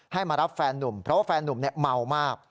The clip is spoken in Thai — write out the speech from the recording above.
มารับแฟนนุ่มเพราะว่าแฟนนุ่มเมามาก